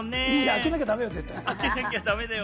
開けなきゃだめよ、絶対に。